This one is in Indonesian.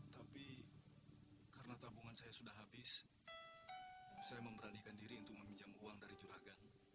tapi karena tabungan saya sudah habis saya memberanikan diri untuk meminjam uang dari juragan